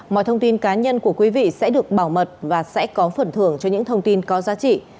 mọi thông tin cá nhân của quý vị sẽ được bảo mật và sẽ có phần thưởng cho những thông tin có giá trị